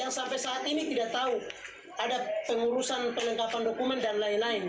yang sampai saat ini tidak tahu ada pengurusan pengungkapan dokumen dan lain lain